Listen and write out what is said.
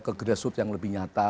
ke grassroots yang lebih nyata